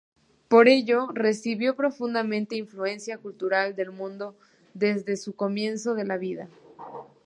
Por ellos recibió profundamente influencia cultural del mundo desde su comienzo de la vida.